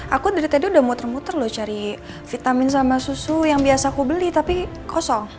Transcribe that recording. aku dari tadi udah muter muter loh cari vitamin sama susu yang biasa aku beli tapi kosong